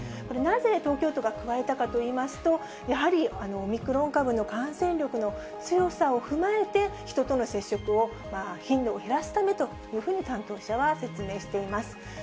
これ、なぜ東京都が加えたかといいますと、やはりオミクロン株の感染力の強さを踏まえて、人との接触を、頻度を減らすためと担当者は説明しています。